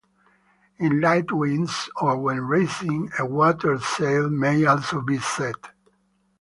In light winds, or when racing, a watersail may also be set.